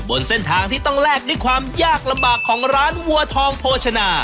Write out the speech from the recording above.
บนเส้นทางที่ต้องแลกด้วยความยากลำบากของร้านวัวทองโภชนา